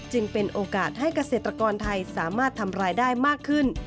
เป็นโอกาสให้เกษตรกรไทยสามารถทำรายได้มากขึ้น